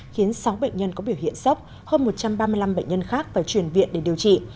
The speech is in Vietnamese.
khiến sáu bệnh nhân có biểu hiện sốc hơn một trăm ba mươi năm bệnh nhân khác phải chuyển viện để điều trị